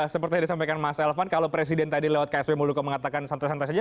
seperti yang disampaikan mas elvan kalau presiden tadi lewat ksp muluko mengatakan santai santai saja